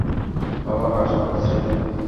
বাবা কাজ করছে।